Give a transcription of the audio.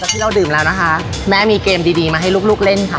ที่เราดื่มแล้วนะคะแม่มีเกมดีมาให้ลูกเล่นค่ะ